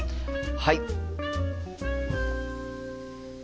はい！